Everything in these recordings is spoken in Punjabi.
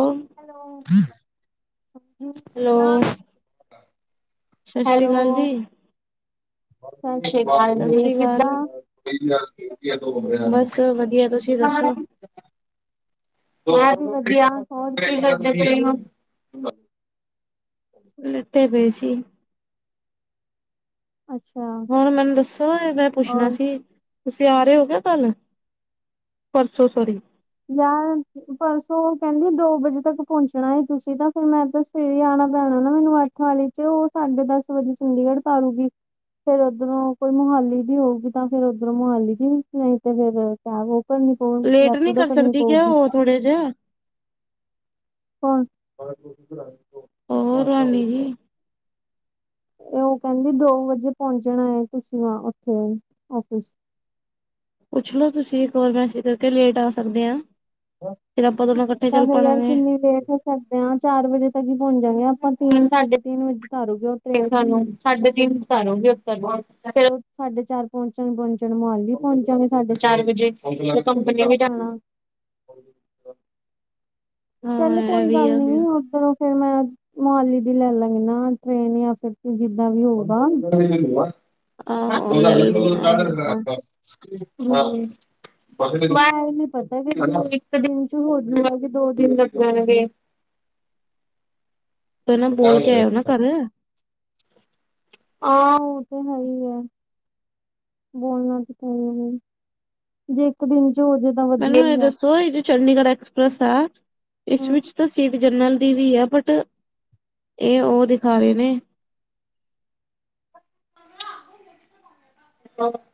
ਓ ਹੈਲੋ। [unintelligible] ਹੈਲੋ ਸਸ਼ਰੀ ਕਾਲ ਜੀ। ਸਾਸਰੀ ਕਾਲ ਸਤਿ ਜੀ ਸ੍ਰੀ ਅਕਾਲ ਕਿੱਦਾਂ। ਬਸ ਵਧੀਆ ਤੁਸੀਂ [unintelligible] ਦੱਸੋ ਵਧੀਆ ਜੀ ਵਧੀਆ ਹੋਰ ਕੀ ਕਰਦੇ ਪਏ ਓ। ਲੈਟੇ ਪਏ ਸੀ। ਅੱਛਾ ਹੋਰ ਮੈਨੂੰ ਦੱਸੋ ਏ ਮੈਂ ਪੁੱਛਣਾ ਹੋਰ ਸੀ। ਤੁਸੀਂ ਆ ਰੇਓ ਕਯਾ ਕੱਲ, ਪਰਸੋਂ ਸੋਰੀ? ਯਾਰ ਪਰਸੋਂ ਕੈਂਦੀ ਦੋ ਵਜੇ ਤੱਕ ਪੋਂਚਣਾਏ, ਤੁਸੀਂ ਤਾਂ ਫਿਰ ਮੈਂ ਤਾਂ ਸਵੇਰੇ ਆਣਾ ਪੈਣਾ ਨਾ ਮੈਨੂੰ ਅੱਠ ਵਾਲੀ ਤੇ ਓ ਸਾਡੇ ਦਸ ਵਜੇ ਚੰਡੀਗੜ੍ਹ ਤਾਰੂਗੀ। ਫੇਰ ਓਦਰੋਂ ਕੋਈ ਮੋਹਾਲੀ ਦੀ ਹੋਊਗੀ ਤਾਂ ਫੇਰ ਓਦਰੋਂ ਮੋਹਾਲੀ ਦੀ ਨਈਂ ਤੇ ਫੇਰ [unintelligible] ਫੋਨ ਲੇਟ ਨਹੀਂ ਰੈਪਡੋ ਕਰ ਕਰਨੀ ਸਕਦੀ ਕਿਆ ਪਊਗੀ। ਉਹ ਥੋੜੇ ਜੇ ਕੌਨ ਉਹ ਰੋਹਾਨੀ [unintelligible] [inaudible] ਤੇ ਓ ਕੈਂਦੀ ਦੋ ਵਜੇ ਪੋਂਚਣਾ ਏ ਤੁਸੀਂ ਹਾਂ, ਓਥੇ ਔਫਿਸ। ਪੁੱਛਲੋ ਤੁਸੀ ਇਕ ਵਾਰ ਮੈਸਜ ਕਰਕੇ, ਲੇਟ ਆ ਸਕਦੇ ਆ? ਤਾਂ ਫੇਰ ਯਾਰ ਪਾਵਾਂਗੇ ਕਿੰਨੀ ਲੇਟ ਸਕਦੇ ਆਂ, ਚਾਰ ਵਜੇ ਤੱਕ ਹੀ ਪੋਂਚਾਂਗੇ ਆਪਾਂ ਤਿੰਨ ਸਾਢੇ ਤਿੰਨ ਵਜੇ ਤਾਰੂ ਗੀ ਓਤੇ ਸਾਨੂੰ ਸਾਡੇ ਤਿੰਨ ਤਾਰੂ ਗੀ ਓਥੈ ਸਾਡੇ ਚਾਰ ਪੋਂਚਣ ਪੋਂਚਣ ਮੋਹਾਲੀ ਪੋਂਚਾਂਗੇ, ਸਾਡੇ ਚਾਰ ਵਜੇ। ਕੰਪਨੀਆਂ ਵੀ ਜਾਣਾ। ਹਾਂ ਚੱਲ ਇਹ ਕੋਈ ਵੀ ਗੱਲ ਆ ਨੀ, ਫਿਰ ਓਦਰੋ ਫੇਰ ਮੈਂ ਮੋਹਾਲੀ ਦੀ ਲੈ ਲਾਂਗੇ ਨਾ ਟ੍ਰੇਨ ਯਾਂ ਫਿਰ ਜਿੱਦਾਂ ਵੀ ਹੋਊਗਾ। [inaudible] ਆਹੋ ਲੈ ਲੋ ਨਾ ਫਿਰ ਤਾਂ ਹੂੰ, ਬ ਏ ਨੀਂ ਪਤਾ ਕਿ ਇੱਕ ਦਿਨ ਚ ਹੋਜੁਗਾ ਕੇ ਦੋ ਦਿਨ ਲੱਗਣ ਗੇ? ਫਿਰ ਨਾ ਬੋਲ ਕੇ ਆਇਓ ਨਾ ਘਰ ਆ, ਓ ਤੇ ਹੈ ਈਏ। ਬੋਲਣਾ [unintelligible] ਜੇ ਇੱਕ ਦਿਨ ਚ ਹੋਜੇ ਮੈਨੂੰ ਐ ਦੱਸੋ ਐ ਜੋ ਚੰਡੀਗੜ੍ਹ ਐਕਸਪ੍ਰੈਸ ਆ ਇਸ ਹੂੰ ਵਿਚ ਤਾਂ ਸੀਟ ਜਨਰਲ ਦੀ ਵੀ ਹੈ ਬਟ, ਏ ਓ ਦਿਖਾ ਰੇਨੇ। [inaudible]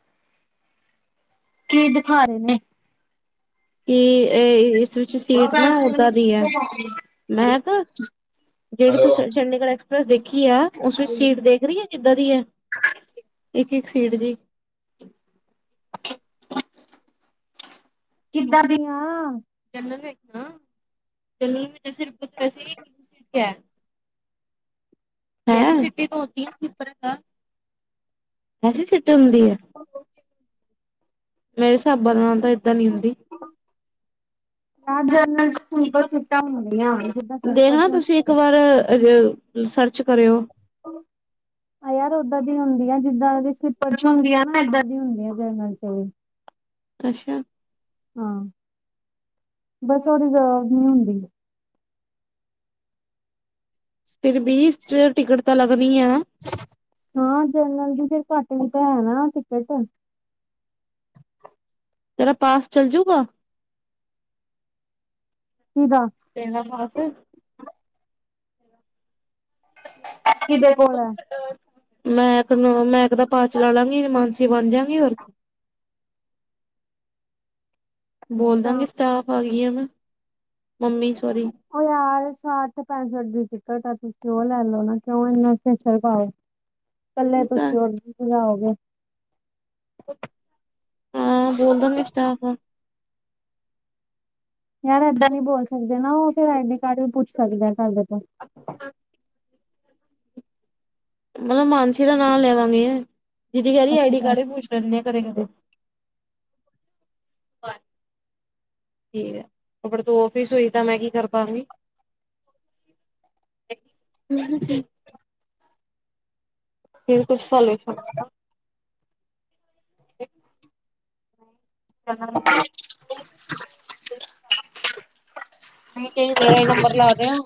ਕੀ ਦਿਖਾ ਰੇ ਨੇ? ਕਿ ਏ ਏਸ ਵਿੱਚ ਸੀਟ ਨਾ ਓਦਾਂ ਦੀਐ, ਮੈਹਕ ਜੇੜੀ ਹੈਲੋ ਤੁਸੀ ਚੰਡੀਗੜ੍ਹ ਐਕਸ ਪ੍ਰੈਸ ਦੇਖੀਐ ਉਸ ਵਿੱਚ ਸੀਟ ਦੇਖ ਰੀਐ ਕਿੱਦਾਂ ਦੀਐ, ਏਕ-ਏਕ ਸੀਟ ਜੀ [inaudible] ਕਿੱਦਾਂ ਦੀਆਂ? ਜਨਰਲ ਵੇਚ ਨਾ, ਜਨਰਲ ਜੈੇ ਵੈਸੇ ਹੀਐ। ਹੈਂ [unintelligible] ਐਸੀ ਸਿਟੇ ਹੁੰਦੀਏ? ਮੇਰੇ ਹਿਸਾਬਾਂ ਨਾਲ ਤਾਂ ਏਦਾਂ ਨੀ ਹੁੰਦੀ। ਨਾ ਜਨਰਲ ਸਲਿੱਪਰ ਸੀਟਾ ਹੁੰਦੀਆਂ, ਜੀਦਾ ਸਲਿੱਪਰ ਦੇਖਣਾ ਚ ਹੁੰਦੀਆਂ। [unintelligible] ਸਰਚ ਕਰੇਓ। ਯਾਰ ਓਦਾਂ ਦੀ ਹੁੰਦੀਆ ਜਿੱਦਾਂ ਸਿੱਪਰ ਚ ਹੁੰਦੀ ਆ ਨਾ, ਐਦਾ ਦੀ ਹੁੰਦੀਆ ਜਨਰਲ ਚ ਵੀ। ਅੱਸ਼ਾ। ਹਾਂ ਬਸ, ਓ ਰਿਜ਼ਰਵ ਨੀਂ ਹੁੰਦੀ। ਫੇਰ ਬੀ ਇਸ ਚ ਟਿਕਟ ਤਾਂ ਲੱਗਦੀ ਆ। ਹਾਂ, ਜਰਨਰਲ ਦੀ ਫੇਰ ਘੱਟ ਵੀ ਤਾਂ ਐ ਨਾ ਟਿਕਟ। ਤੇਰਾ ਪਾਸ ਚੱਲ ਜੂਗਾ? ਕੀਦਾ? ਤੇਰਾ ਪਾਸ। ਕਿਦੇ ਕੋਲ ਹੈ [inaudible] ਮੈਂ ਇਕ ਨੂੰ ਮੈਂ ਇਕ ਦਾ ਪਾਰ ਚਲਾ ਲਾਂਗੀ ਮਾਨਸੀ ਬਨ ਜਾਂਗੀ ਹੋਰ ਬੋਲ ਅੱਛਾ ਦਾਂਗੀ ਸਟਾਫ ਆ ਗਈ ਆ ਮੈਂ ਮੰਮੀ ਸੋਰੀ। ਓ ਯਾਰ ਸੱਠ ਪੈਸਠ ਦੀ ਟਿਕਟ ਆ ਤੁਸੀ ਓ ਲੈ ਲੌ ਨਾ ਕਯੋ ਐਨੀ ਖੇਚਲ ਪਾਓ। ਕੱਲੇ ਤੁਸੀ ਉਰਜਾਓਗੇ। ਹਾਂ ਬੋਲ ਦਾਂਗੀ ਸਟਾਫ ਆ। ਯਾਰ ਏਦਾ ਨੀ ਬੋਲ ਸਕਦੇ ਨਾ ਓ ਫੇਰ ਆਈ ਡੀ ਕਾਰਡ ਵੀ ਪੁੱਛ ਸਕਦੇ ਤਵਾੜੇ ਤੋ। [inaudible] ਮਤਲਬ ਮਾਨਸੀ ਦਾ ਨਾ ਲੈਵਾਂਗੇ ਦੀਦੀ ਕੇਰੀ ਆਈ ਡੀ ਅੱਛਾ ਕਾਰਡ ਵੀ ਪੁੱਛ ਲੈਂਦੇ ਆ ਕਦੇ ਕਦੇ। ਪਰ ਠੀਕ ਐ ਫਿਰ ਤੂੰ ਓਫਿਸ ਹੋਈ ਤਾ ਮੈਂ ਕੀ ਕਰ ਪੰਗੀ। ਮਨ ਸੀ। ਫਿਰ ਕੁੱਛ [unintelligible] [inaudible] [unintelligible] ਬੀ ਕਈ ਮੇਰਾ ਈ ਨੰਬਰ ਲਾ ਦਯੋ।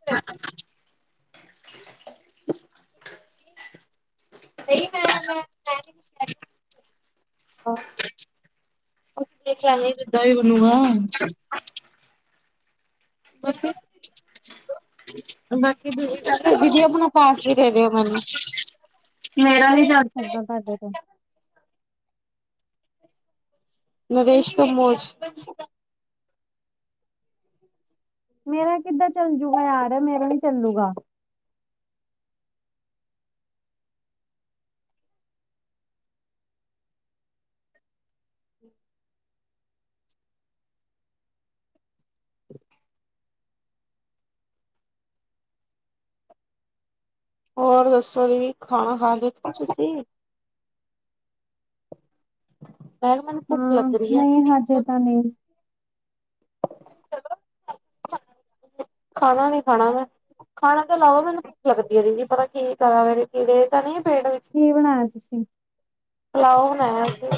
[unintelligible] ਨਯੀ ਮੈਂ ਮੈ [unintelligible] ਕੁੱਤੇ ਕੇਂਗਗੇ ਤੇ ਦਾ ਈ ਬਣੂਗਾ। [inaudible] ਬਾਕੀ ਦੀਦੀ ਦਾ ਤੇ ਦੀਦੀ ਜੀ ਅਪਨਾ ਪਾਸ ਵੀ ਦੇ ਦਿਉ ਮੈਨੂੰ ਮੇਰਾ ਨੀ ਜਾ ਸਕਦਾ ਤੁਆਡੇ ਤੇ। ਨਰੇਸ਼ ਕੰਮੋਚ। ਮੇਰਾ ਕਿੱਦਾ ਚੱਲ ਜੂਗਾ ਯਾਰ ਮੇਰਾ ਨੀ ਚੱਲੂਗਾ। ਹੋਰ ਦੱਸੋ ਜੀ ਖਾਣਾ ਖਾ ਲਿਤਾ ਤੁਸੀ? ਕਿਹਾ ਮੈਨੂੰ ਭੁੱਖ ਹੂੰ ਲੱਗ ਰਹੀ ਆ ਨਈ ਹਜੇ ਤਾ ਨਈ। ਖਾਨਾ ਨੀ ਖਾਣਾ ਮੈਂ। ਖਾਣਾ ਤੋ ਇਲਾਵਾ ਮੈਨੂੰ ਭੁੱਖ ਲੱਗਦੀ ਐ ਦੀਦੀ ਪਤਾ ਨੀ ਕੀ ਕਰਾ ਮੇਰੇ ਕੀੜੇ ਤਾ ਨੀ ਏ ਪੇਟ ਵਿੱਚ? ਕੀ ਬਣਾਆ ਤੁਸੀ? ਪੁਲਾਓ ਬਨਾਆ ਅਸੀ।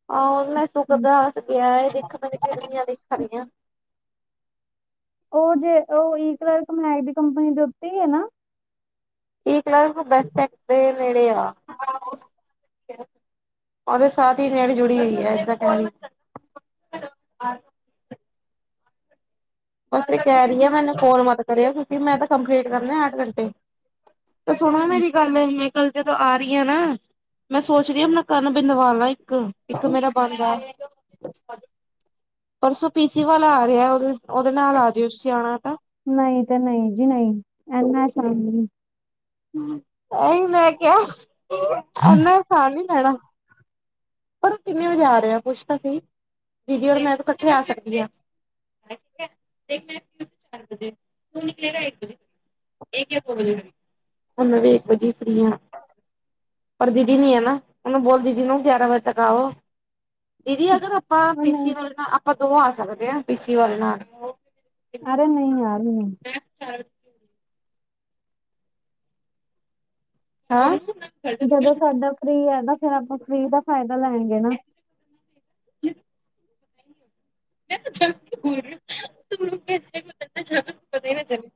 [unintelligible] ਦੇਖਾ ਮੈ ਕਿਡਨੀਆ ਦੀ ਪਰੀਆ ਓ ਜੇ ਓ ਈ ਕਲਰ ਕਮੈਡ ਦੀ ਕੰਪਨੀ ਦੇ ਉੱਤੇ ਈ ਐ ਨਾ। ਈ ਕਲਬ ਬੈਸਟ ਐਕਟ ਦੇ ਨੇੜੇ ਆ। ਓਦੇ ਸਾਥ ਈ ਰੇਡੀ ਜੁੜੀ ਹੋਈ ਐ ਐਦਾ ਕੇ ਰੀ। ਬਸ ਐ ਕੇ ਰੀ ਆ ਮੈਨੂੰ ਕੋਲ ਮਤ ਕਰਯੋ ਕਿਉਂਕਿ ਮੈਂ ਤੇ ਕੰਪਲੀਟ ਕਰਨੇ ਆਠ ਘੰਟੇ। ਤੇ ਸੁਣੋ ਮੇਰੀ ਗੱਲ ਮੈਂ ਕੱਲ ਜਦੋ ਆ ਰੀ ਆ ਨਾ ਮੈਂ ਸੋਚ ਰੀ ਆ ਅਪਨਾ ਕੰਨ ਬਿਨਵਾਲਾ ਇੱਕ, ਇੱਕ ਮੇਰਾ ਬੰਦ ਆ। ਪਰਸੋ ਪੀਸੀ ਵਾਲਾ ਆ ਰਆ ਓਦ ਓਦੇ ਨਾਲ ਆ ਜਿਓ ਤੁਸੀ ਆਣਾ ਤਾ। ਨਈ ਤੇ ਨਈ ਜੀ ਨਈ ਐਨਾ ਅਸਾਨ ਨੀ। ਐ ਈ ਮੈਂ ਕਯਾ ਐਨਾ ਅਸਾਨ ਨੀ ਲੈਣਾ। ਪਰ ਕਿੰਨੇ ਵਜੇ ਆ ਰੇ ਆ ਪੁੱਛ ਤਾਂ ਸਈ। ਦੀਦੀ ਓਰ ਮੈਂ ਤਾ ਕੱਠੇ ਆ ਸਕਦੀ ਆ। [unintelligible] ਇੱਕ ਯਾ ਦੋ ਵਜੇ ਹੁਨ ਵੀ ਇੱਕ ਵਜੇ ਈ ਫ੍ਰਰੀ ਆ। ਪਰ ਦੀਦੀ ਨੀ ਏ ਨਾ ਓਨੂੰ ਬੋਲ ਦੀਦੀ ਨੂੰ ਗਿਆਰਾ ਵਜ ਲਗਾਓ ਦੀਦੀ ਅਗਰ ਆਪਾ ਉਹ ਪੀਸੀ ਨਹੀਂ ਵਾਲੇ ਨਾਲ ਅਪ ਕਦੋ ਆ ਸਕਦੇ ਏ, ਪੀਛਲੀ ਵਾਰ ਨਾਨ ਅਰੇ ਨੀ ਯਾਰ ਨੀ। ਚ [unintelligible] ਹੈ। ਜਦੋਂ ਸਾਡਾ ਫਰੀ ਹੈਗਾ ਫੇਰ ਆਪਾਂ ਫਰੀ ਦਾ ਫਾਇਦਾ ਲੈਗੇ ਨਾ। [unintelligible] ਮੈਂ ਕੇ ਬੋਲ ਰਹੀ [unintelligible]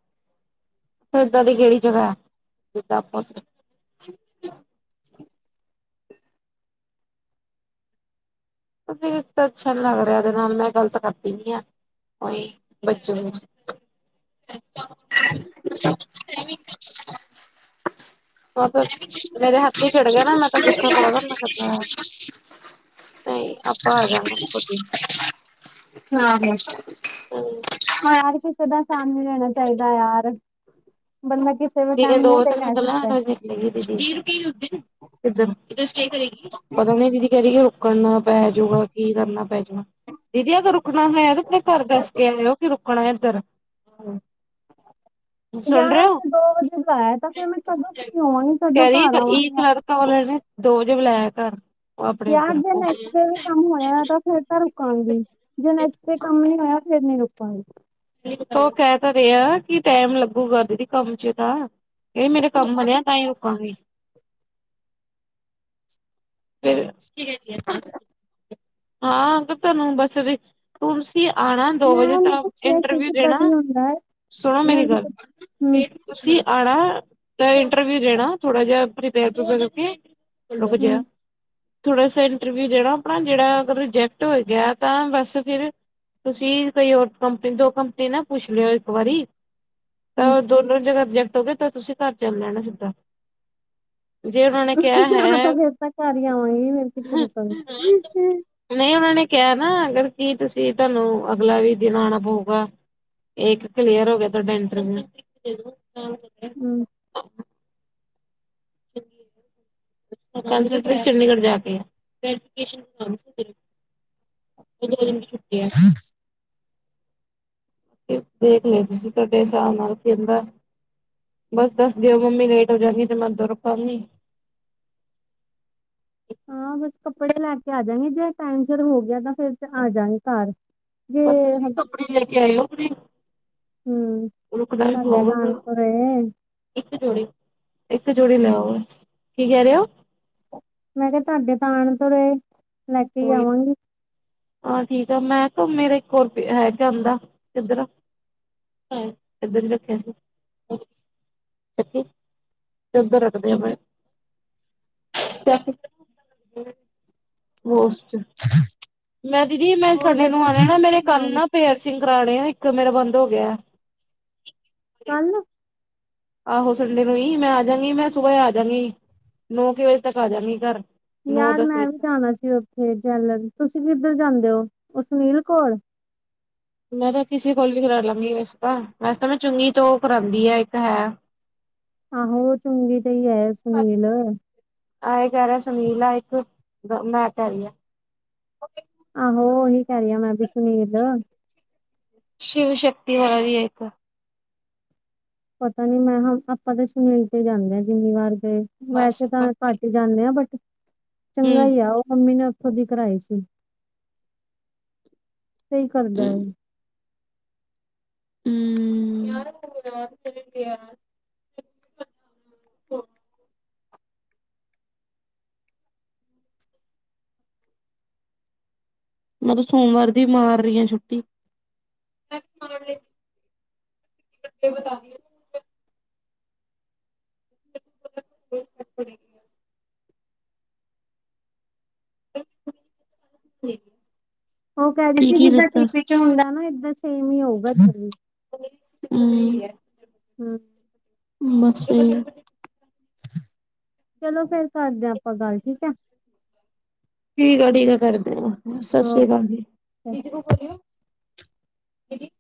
ਇਦਾਂ ਦੀ ਕਿਹੜੀ ਜਗ੍ਹਾ ਆ ਜਿੱਦਾਂ ਆਪਾ [inaudible] ਫਿਰ ਵੀ ਤਾਂ ਅੱਛਾ ਲੱਗ ਰਿਹਾ ਇਹਦੇ ਨਾਲ, ਮੈਂ ਗਲਤ ਕਰ ਦਿਆ ਹੀ ਬੱਚੋਂ [unintelligible] ਸ ਵੀ [unintelligible] ਮੇਰੇ ਹੱਥੀ ਚੜ ਗਿਆ ਨਾ ਮੈਂ ਤਾਂ ਗੁੱਸਾ ਬੜਾ ਕਰਨਾ ਫਿਰ ਹਾ। ਨਹੀ, ਆਪਾਂ ਆ ਜਾਗੇ ਖੁਦ ਈ। ਨਾਹੀ [unintelligible] ਹ ਯਾਰ ਕਿਸੇ ਦਾ ਆਸਾਨ ਨੀ ਲੈਣਾ ਚਾਹੀਦਾ ਯਾਰ ਬੰਦਾ ਕਿਸ ਕਿ ਕਹਿੰਦੀ, ਦੋ ਵਜੇ ਤੱਕ ਨਿਕਲਾ ਕਦੋ ਨਿਕਲੇਗੀ ਦੀਦੀ, ਨੀ ਰੁਕੀਗੀ ਉਥੇ ਕਿਧਰ, ਜਿਧਰ ਸਟੇਅ ਕਰੇਗੀ। ਪਤਾ ਨੀ ਦੀਦੀ ਕਹਿ ਰਹੀ ਏ ਰੁਕਣਾ ਪੈ ਜਾਊਗਾ। ਕੀ ਕਰਨਾ ਪੈ ਜਾਏ, ਦੀਦੀ ਅਗਰ ਰੁਕਣਾ ਹੈ ਤੇ ਆਪਣੇ ਘਰ ਦੱਸ ਕੇ ਆਇਓ ਕਿ ਰੁਕਣਾ ਇੱਧਰ। ਹੈਲੋ [inaudible] ਗਿਆਰਾਂ ਤੋ ਦੋ ਵਜੇ ਤੋਂ ਬਾਦ। ਉਹ਼ ਕਹਿੰਦੀ, ਕਦੋਂ ਫਰੀ ਹੋਵਾਂਗੀ ਕਦੋਂ ਘਰ ਆਵਾਂਗੀਆ। ਆਲੱ ਰੈਡੀ ਦੋ ਵਜੇ ਬੁਲਾਇਆ ਕਰ। ਯਾਰ ਜੇ ਨੈਕਸਟ ਤੇ ਵੀ ਕੰਮ ਹੋਇਆ ਤਾਂ ਫੇਰ ਤਾਂ ਰੁਕਾਂਗੀ ਜੇ ਨੈਕਸਟ ਦੇ ਕੰਮ ਨੀ ਹੋਇਆ ਫਿਰ ਨੀ ਰੁਕਾਂਗੀ। ਤੋ ਕਹਿ ਤੇ ਰਹਿ ਏ, ਦੀਦੀ ਟੈਮ ਲੱਗੂਗਾ ਦੀਦੀ ਕੰਮ ਚ ਤਾਂ। ਏ ਮੇਰੇ ਕੰਮ ਬਨਿਆ, ਤਾਂ ਹੀ ਰੁਕਾਂਗੀ। ਫਿਰ ਕੀ ਕਹਿੰਦੀ ਹੈ ਸਸ? ਹਾਂ, ਪਤਾ ਤੁਹਾਨੂੰ ਬੱਸ ਵੀ ਤੁਮਸ ਤੁਸੀਂ ਆਣਾ ਦੋ ਮੈਂ ਵਜੇ ਉਹਨੂੰ ਤਕ ਪੁੱਛਿਆ ਸੀ ਇੰਟਰਵਿਊ ਕਿੱਦਾਂ ਦੇਣਾ ਦੀ ਹੁੰਦਾ ਹੈ ਸੁਣੋ ਮੈਂ ਮੇਰੀ ਉਹਨੂੰ ਗੱਲ ਹੂੰ ਵੇਖਦੀ ਆ। ਤੁਸੀਂ ਆਣਾ ਤੇ ਇੰਟਰਵਿਊ ਦੇਣਾ ਥੋੜਾ ਜਿਹਾ ਪ੍ਰਪੇਅਰ-ਪੁਰੁਪੇਅਰ ਕਰਕੇ। ਲੁਕ ਹੂੰ ਜਾ ਥੋੜਾ ਸਾ ਇੰਟਰਵਿਊ ਦੇਣਾ ਆਪਣਾ ਜੇੜਾ ਅਗਰ ਰਿਜੈਕਟ ਹੋ ਗਿਆ ਤਾਂ ਬਸ ਫਿਰ। ਤੁਸੀਂ ਕੋਈ ਹੋਰ ਕੰਪਨੀ ਦੋ ਕੰਪਨੀ ਨਾ ਪੁੱਛ ਲਿਓ ਇੱਕ ਵਾਰੀ। ਹੂੰ ਤਾਂ ਦੋਨੋ ਜਗ੍ਹਾ ਰਿਜੈਕਟ ਹੋ ਗਏ ਤਾਂ ਤੁਸੀਂ ਘਰ ਚੱਲੋ ਨਾ ਸਿੱਧਾ। ਜੇ ਉਹਨਾਂ ਨੇ ਕਿਹਾ ਹਾਂ ਤਾਂ ਹੈ ਫੇਰ ਤਾਂ ਘਰ ਹੀ ਆਵਾਂਗੀ ਫੇਰ ਕਿੱਥੇ ਰੁਕਾਂਗੀ। [unintelligible] ਨੀ ਉਹਨਾਂ ਨੇ ਕਿਹਾ ਨਾ ਅਗਰ ਕੀ ਤੁਸੀਂ ਤੁਹਾਨੂੰ ਅਗਲਾ ਵੀ ਦਿਨ ਆਉਣਾ ਪਊਗਾ। ਏ ਇੱਕ ਕਲੀਅਰ ਹੋ ਗਿਆ ਤੁਹਾਡਾ ਇੰਟਰਵਿਊ। ਹੂੰ। ਚਏ [unintelligible] ਚੰਡੀਗੜ੍ਹ ਜਾ ਕੇ ਆ [unintelligible] ਇਕ- ਦੋ ਦਿਨ ਕੀ ਛੁੱਟੀ ਐ। [inaudible] ਦੇਖ ਲਿ ਤੁਸੀਂ ਤੁਹਾਡੇ ਹਿਸਾਬ ਨਾਲ ਕਹਿੰਦਾ। ਬਸ ਦੱਸ ਦਿਓ ਮੰਮੀ ਲੇਟ ਹੋ ਜਾਂਦੀ ਤੇ ਮੈਂ ਤੁਰ ਪਾਨੀ। ਹਾਂ ਬਸ ਕੱਪੜੇ ਲੈ ਕੇ ਆ ਜਾਗੀ ਜੇ ਟਾਈਮ ਸੇਰ ਹੋ ਗਿਆ ਤਾਂ ਫੇਰ ਤਾਂ ਆਜਾ ਗੀ ਘਰ। ਜੇ ਪਰ ਤੁਸੀ ਕੱਪੜੇ ਲੈ ਕੇ ਆਏ ੳ ਅਪਨੇ ਹੂੰ ਰੁਕਨਾ ਈ ਤੁਹਾਡੇ ਪਉਗਾ ਤਾਂ ਆਣ ਫੇਰ। ਤੋਂ ਰਹੇ ਇੱਕ ਜੋੜੀ, ਇੱਕ ਜੋੜੀ ਲੈ ਆੳ ਬਸ। ਕੀ ਕੈ ਰਏ ਓ? ਮੈਂ ਕੇਆ ਤੁਆਡੇ ਪਾਣ ਦੋਰੇ ਲੈ ਕੇ ਈ ਉਹੀ ਆਵਾਂਗੀ। ਹਾਂ ਠੀਕ ਆ ਮੈਂ ਕੇਆ ਮੇਰੇ ਕੋਲ ਪੇਆ ਹੈਗਾ ਆਦਾ ਕਿੱਧਰ ਆ ਏਧਰ ਈ ਰੱਖੇਆ ਸੀ। ਚਕੀ, ਏਧਰ ਰਖਦੇ ਆ ਪਏ ਬੋਕਸ ਚ ਮੈਂ ਦੀਦੀ ਮੈਂ ਹੋਰ ਸੰਡੇ ਨੂੰ ਦੱਸੋ ਆਨਾ ਨਾ ਤੁਸੀਂ ਕੀ ਮੇਰੇ ਕੰਨਾ ਬਣਾਓਗੇ ਨਾ ਪੇਅਰਸਿੰਗ ਕਰਾਨੇ ਆ, ਇੱਕ ਮੇਰਾ ਬੰਦ ਹੋ ਗਿਆ। ਕਲ ਆਹੋ ਸੰਡੇ ਨੂੰ ਈ, ਮੈਂ ਆਜਾਂਗੀ ਮੈਂ ਸੁਬਹ ਆ ਜਾਗੀ ਨੌ ਕੁ ਵਜੇ ਤੱਕ ਆਜਾਗੀ ਘਰ। ਨੌ ਯਾਰ ਦਸ ਮੈਂ ਵਜੇ ਵੀ ਤੱਕ। ਜਾਨਾ ਸੀ ੳਥੇ ਜਲਰ। ਤੁਸੀ ਕਿੱਧਰ ਜਾਂਦੇ ੳ? ੳ ਸੁਨੀਲ ਕੋਲ। ਮੈਂ ਤਾਂ ਕਿਸੇ ਕੋਲ ਵੀ ਕਰਾ ਲਾਂਗੀ ਵੈਸੇ ਤਾਂ, ਵੈਸੇ ਤਾਂ ਮੈਂ ਚੁੰਗੀ ਤੋਂ ਕਰਾੳਂਦੀ ਆ, ਇੱਕ ਹੈ। ਆਹੋ ਚੁੰਗੀ ਤੇ ਈ ਹੈ ਸੁਨੀਲ। ਐਈ ਕੈ ਰੇ ਸੁਨੀਲ ਆ ਇੱਕ, ਮੈਂ ਕੈ ਰਈ ਐ ਆਹੋ ੳਹੀ ਕੈ ਰਈ ਆ ਮੈਂ ਵੀ ਸੁਨੀਲ। ਸ਼ਿਵ ਸ਼ਕਤੀ ਵਾਲਾ ਵੀ ਏ ਇੱਕ। ਪਤਾ ਨੀ ਮੈਂ ਹ ਆਪਾਂ ਤੇ ਸੁਨੀਲ ਤੇ ਜਾਂਦੇ ਜਿੰਨੀ ਵਾਰ ਗਏ, ਬਸ ਵੈਸੇ ਤਾਂ ਬਾਕੀ ਘਟ ਈ ਜਾਨੇ ਆ ਬਟ ਚੰਗਾ ਹੂੰ ਈ ਐ ੳਹ ਮੰਮੀ ਨਾਲ ੳਦੀ ਕਰਾਈ ਸੀ ਸਹੀ ਕਰਦਾ ਹੂੰ ਏ। ਹੂੰ। [inaudible] ਮੈਂ ਤਾਂ ਸੋਮਵਾਰ ਦੀ ਮਾਰ ਰੀ ਆ ਛੁੱਟੀ। [inaudible] [inaudible] [inaudible] ਉਹ ਕੈ ਰੀ ਕੀ ਸੀ ਕੀ ਜਿੱਦਾਂ ਟੀ ਲਿੱਤਾ। ਪੀ ਚ ਹੁੰਦਾ ਨਾ ਏਦਾਂ ਸੇਮ ਈ ਹੋਊਗਾ ਏਥੇ ਵੀ। ਹੂੰ ਹੂੰ [inaudible] ਚਲੋ ਫੇਰ ਕਰਦੇ ਆ ਆਪਾਂ ਗੱਲ, ਠੀਕ ਆ। ਠੀਕ ਆ, ਠੀਕ ਆ, ਕਰਦੇ ਆ। ਸਤਿ ਸ੍ਰੀ ਓਕੇ ਅਕਾਲ ਜੀ। [inaudible]